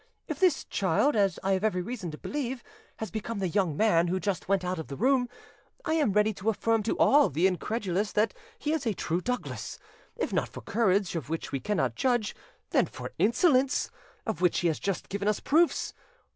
If this child, as I have every reason to believe, has become the young man who just went out of the room, I am ready to affirm to all the incredulous that he is a true Douglas, if not for courage, of which we cannot judge, then for insolence, of which he has just given us proofs.